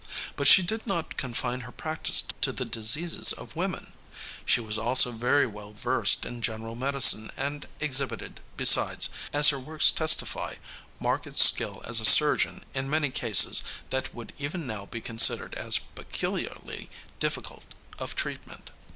But she did not confine her practice to the diseases of women. She was also well versed in general medicine and exhibited, besides, as her works testify, marked skill as a surgeon in many cases that would even now be considered as peculiarly difficult of treatment.